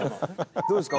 「どうですか？